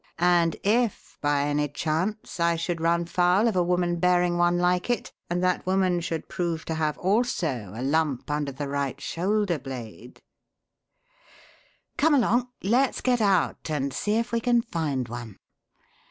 And if by any chance I should run foul of a woman bearing one like it, and that woman should prove to have also a lump under the right shoulder blade Come along! Let's get out and see if we can find one.